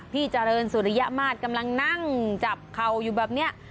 พี่เจริญสุริยมาตรกำลังนั่งจับเข่าอยู่แบบนี้